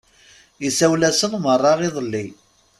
Isawel-asen meṛṛa iḍelli.